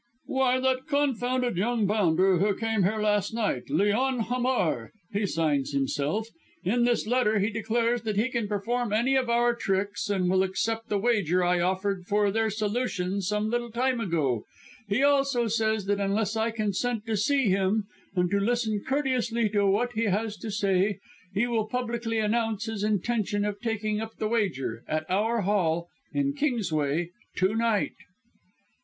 "Why, that confounded young bounder who came here last night Leon Hamar he signs himself. In this letter he declares that he can perform any of our tricks, and will accept the wager I offered for their solution some little time ago. He also says that unless I consent to see him, and to listen courteously to what he has to say, he will publicly announce his intention of taking up the wager, at our Hall, in Kingsway, to night."